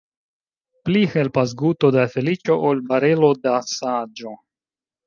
Pli helpas guto da feliĉo, ol barelo da saĝo.